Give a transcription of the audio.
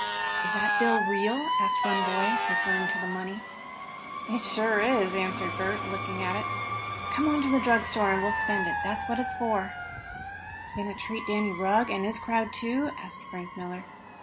"Is that bill real?" asked one boy, referring to the money. "It sure is," answered Bert, looking at it. "Come on to the drugstore and well spend it. That's what it's for." "Going to treat Danny Rugg, and his crowd, too?" asked Frank Miller.